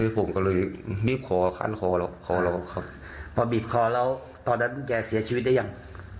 ผมก็เลยบีบคอขั้นคอเราคอเราครับพอบีบคอแล้วตอนนั้นแกเสียชีวิตได้ยัง